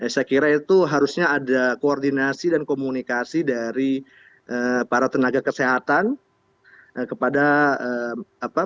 saya kira itu harusnya ada koordinasi dan komunikasi dari para tenaga kesehatan kepada apa